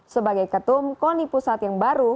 sebagai ketum koni pusat yang baru